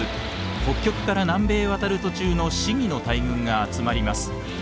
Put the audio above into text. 北極から南米へ渡る途中のシギの大群が集まります。